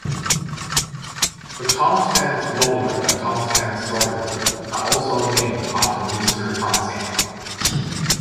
The Townsend's warbler and Townsend's solitaire are also named after Mr. Townsend.